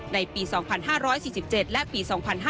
ในปี๒๕๔๗และปี๒๕๕๙